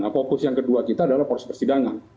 nah fokus yang kedua kita adalah proses persidangan